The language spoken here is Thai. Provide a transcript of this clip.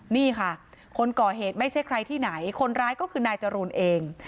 นี่ค่ะคนก่อเหตุไม่ใช่ใครที่ไหนคนร้ายก็คือนายจรูนเอง